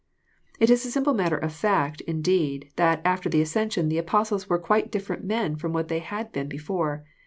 It is a simple matter of fnr.t, Indeed, that after the ascension the Apostles were quite different men from what they had been before.